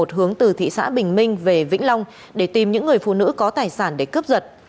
hướng từ thị xã bình minh về vĩnh long để tìm những người phụ nữ có tài sản để cướp giật